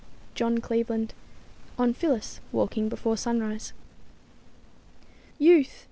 John Cleveland "On Phillis Walking before Sunrise" "Youth!